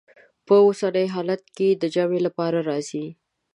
په اوسني حالت کې د جمع لپاره راځي.